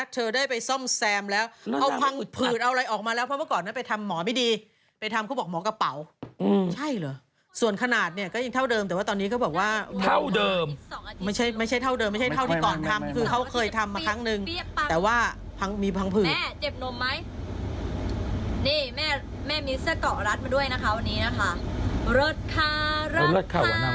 เธอได้ไปซ่อมแซมแล้วเอาพังผืดเอาอะไรออกมาแล้วเพราะเมื่อก่อนนั้นไปทำหมอไม่ดีไปทำเขาบอกหมอกระเป๋าใช่เหรอส่วนขนาดเนี่ยก็ยังเท่าเดิมแต่ว่าตอนนี้เขาบอกว่าเท่าเดิมไม่ใช่ไม่ใช่เท่าเดิมไม่ใช่เท่าที่ก่อนทำคือเขาเคยทำมาครั้งนึงแต่ว่าพังมีพังผืดแม่เจ็บนมไหมนี่แม่แม่มีเสื้อเกาะรัดมาด้วยนะคะวันนี้นะคะ